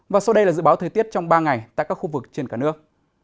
và sau đây là dự báo thời tiết trong ba ngày tại các khu vực trên cả nước